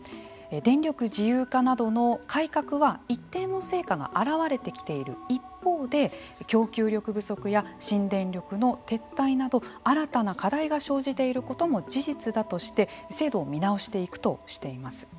電力自由化などの改革は一定の成果が現れてきている一方で供給力不足や新電力の撤退など新たな課題が生じていることも事実だとして制度を見直していくとしています。